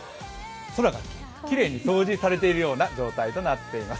空がきれいに掃除されているような状態となっています。